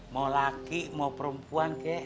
mau laki mau perempuan